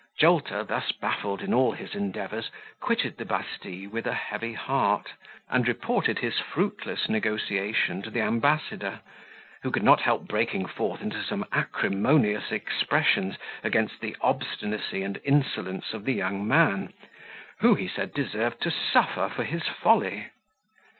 Jolter, thus baffled in all his endeavours, quitted the Bastille with a heavy heart, and reported his fruitless negotiation to the ambassador, who could not help breaking forth into some acrimonious expressions against the obstinacy and insolence of the young man, who, he said, deserved to suffer for his folly.